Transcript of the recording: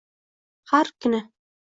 Har kuni